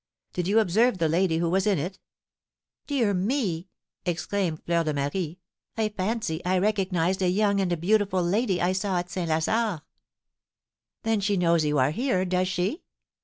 Did you observe the lady who was in it?" "Dear me!" exclaimed Fleur de Marie, "I fancy I recognised a young and beautiful lady I saw at St. Lazare." "Then she knows you are here, does she?"